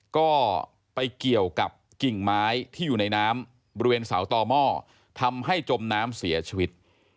ก็ไปเกี่ยวกับกิ่งไม้ที่อยู่ในน้ำบริเวณเสาต่อหม้อทำให้จมน้ำเสียชีวิต